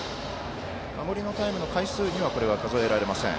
守りのタイムの回数にはこれは数えられません。